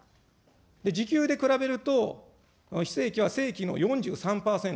時給で比べると、非正規は正規の４３％。